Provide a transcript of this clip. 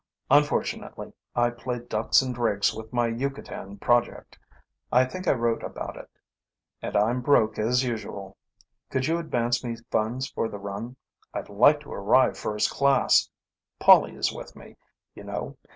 Unfortunately, I played ducks and drakes with my Yucatan project I think I wrote about it and I'm broke as usual. Could you advance me funds for the run? I'd like to arrive first class. Polly is with me, you know.